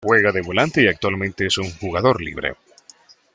Juega de volante y actualmente es un jugador libre.